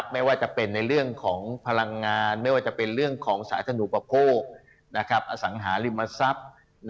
ไม่ว่าจะเป็นในเรื่องของพลังงานไม่ว่าจะเป็นเรื่องของสาธนูปโภคอสังหาริมทรัพย์